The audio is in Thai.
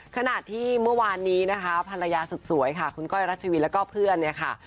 ขณะที่เมื่อวานนี้นะคะภรรยาสุดสวยค่ะคุณก้อยรัชวินแล้วก็เพื่อนเนี่ยค่ะ